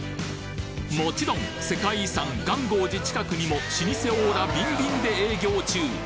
もちろん世界遺産元興寺近くにも老舗オーラビンビンで営業中！